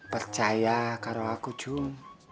percaya kalau aku jum